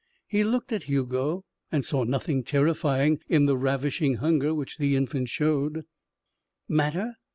He looked at Hugo and saw nothing terrifying in the ravishing hunger which the infant showed. "Matter!